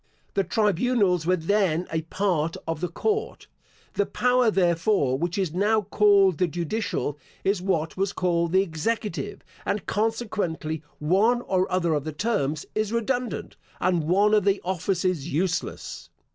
The tribunals were then a part of the court. The power, therefore, which is now called the judicial, is what was called the executive and, consequently, one or other of the terms is redundant, and one of the offices useless.